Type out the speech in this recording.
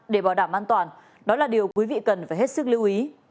để bảo đảm an toàn đó là điều quý vị cần phải hết sức lưu ý